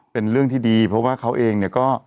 เป็นเรื่องที่ดีเพราะว่าเขาเองเนี่ยก็